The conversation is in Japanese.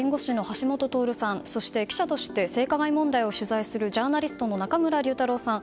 ここからは弁護士の橋下徹さんそして、記者として性加害問題を取材するジャーナリストの中村竜太郎さん